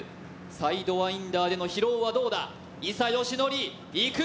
サイドワインダーでの疲労はどうだ、伊佐嘉矩、行く。